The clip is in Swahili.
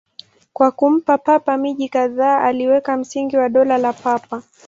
Kwa kumpa Papa miji kadhaa, aliweka msingi wa Dola la Papa.